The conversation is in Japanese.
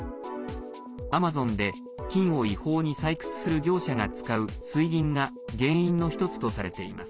アマゾンで、金を違法に採掘する業者が使う水銀が原因の１つとされています。